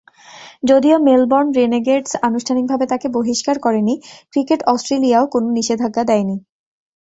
যদিও Melbourne Renegades আনুষ্ঠানিকভাবে তাঁকে বহিষ্কার করেনি, ক্রিকেট অস্ট্রেলিয়াও কোনো নিষেধাজ্ঞা দেয়নি।